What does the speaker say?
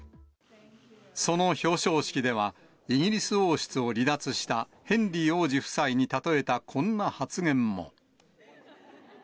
その表彰式では、イギリス王室を離脱したヘンリー王子夫妻に例えたこんな発言も。